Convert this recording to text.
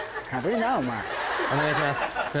お願いします！